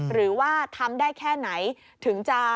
หรือว่าทำได้แค่ไหนถึงจะ